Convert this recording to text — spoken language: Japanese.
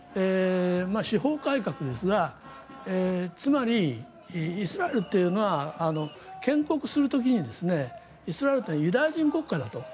司法改革ですがつまり、イスラエルというのは建国する時にイスラエルというのはユダヤ人国家だと。